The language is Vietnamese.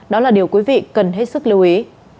đó là điều quý vị cần hết sức lưu ý